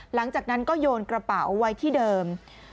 หลังจากนั้นก็โยนกระเป๋าไว้ที่เดิม